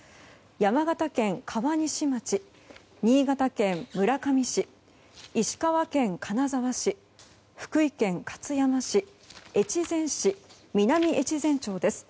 山形県川西町新潟県村上市、石川県金沢市福井県勝山市、越前市南越前町です。